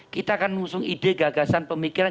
kita kan ngusung ide gagasan pemikiran